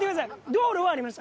道路はありました。